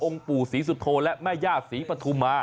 องค์ปู่ศรีสุโธและแม่ญาติศรีปฐุมมา